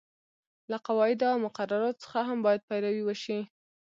له قواعدو او مقرراتو څخه هم باید پیروي وشي.